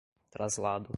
traslado